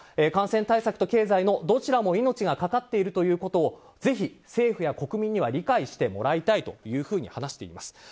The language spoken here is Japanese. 感染対策を経済のどちらも命がかかっているということをぜひ政府や国民には理解してもらいたいというふうに話しています。